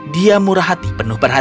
dia murah hati penuh perhatian